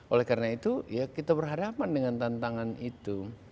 oleh karena itu ya kita berhadapan dengan tantangan itu